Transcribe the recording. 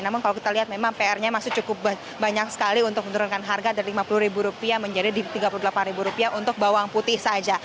namun kalau kita lihat memang pr nya masih cukup banyak sekali untuk menurunkan harga dari lima puluh ribu rupiah menjadi tiga puluh delapan ribu rupiah untuk bawang putih saja